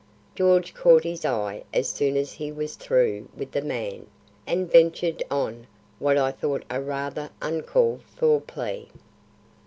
George caught his eye as soon as he was through with the man, and ventured on what I thought a rather uncalled for plea.